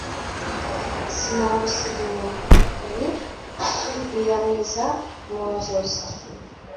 Sinagusiga inyuma. Uri Biyamiza mu nzoza*,